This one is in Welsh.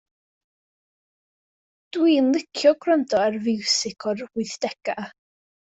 Dw i'n licio gwrando ar fiwsig o'r wythdega'.